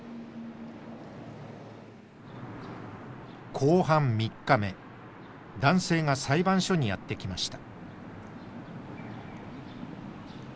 公判３日目男性が裁判所にやって来ました。